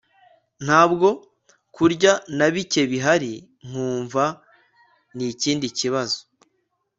ntabyo kurya nabike bihari nkumva nikindi kibazo